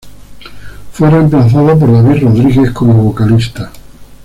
Fue reemplazado por David Rodriguez como vocalista.